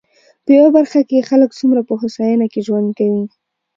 په يوه برخه کې يې خلک څومره په هوساينه کې ژوند کوي.